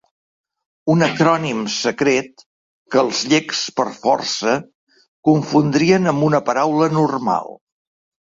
Un acrònim secret que els llecs per força confondrien amb una paraula normal.